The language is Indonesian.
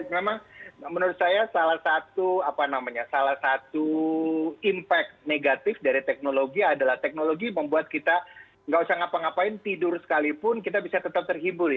memang menurut saya salah satu impact negatif dari teknologi adalah teknologi membuat kita nggak usah ngapa ngapain tidur sekalipun kita bisa tetap terhibur